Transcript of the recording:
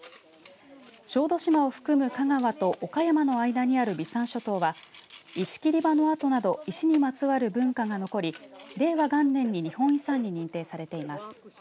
小豆島を含む香川と岡山の間にある備讃諸島は石切り場の跡など石にまつわる文化が残り令和元年に日本遺産に認定されています。